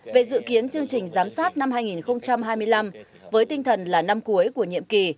về dự kiến chương trình giám sát năm hai nghìn hai mươi năm với tinh thần là năm cuối của nhiệm kỳ